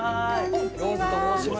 ローズと申します。